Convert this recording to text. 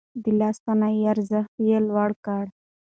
د لاس صنايعو ارزښت يې لوړ کړ.